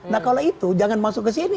nah kalau itu jangan masuk ke sini